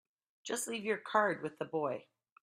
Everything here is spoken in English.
Just leave your card with the boy.